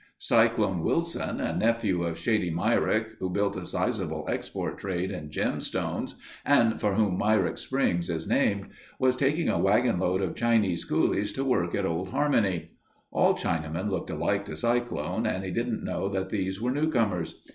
Cyclone Wilson, a nephew of Shady Myrick who built a sizable export trade in gem stones, and for whom Myrick Springs is named, was taking a wagon load of Chinese coolies to work at Old Harmony. All Chinamen looked alike to Cyclone and he didn't know that these were newcomers.